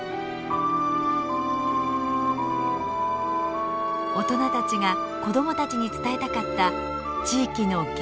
大人たちが子どもたちに伝えたかった地域の原風景。